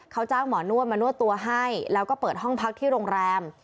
เขาจ้างหมอนวดมานวดตัวให้แล้วก็เปิดห้องพักที่โรงแรม